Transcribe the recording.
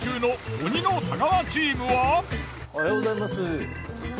おはようございます。